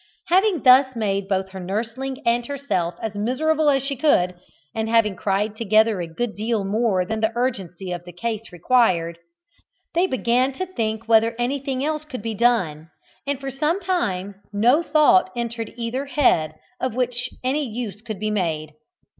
Having thus made both her nursling and herself as miserable as she could, and having cried together a good deal more than the urgency of the case required, they began to think whether anything else could be done, and for some time no thought entered either head of which any use could be made.